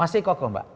masih kokoh mbak